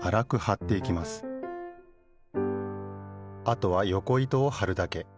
あとはよこ糸をはるだけ。